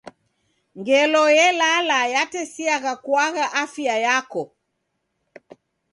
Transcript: Ngelo elala yatesiagha kuagha afia yako.